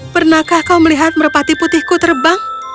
pernahkah kau melihat merpati putihku terbang